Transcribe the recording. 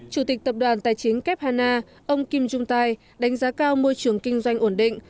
chủ tịch tập đoàn tài chính kép hà na ông kim trung tai đánh giá cao môi trường kinh doanh ổn định